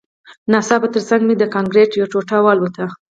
ناڅاپه ترڅنګ مې د کانکریټ یوه ټوټه والوته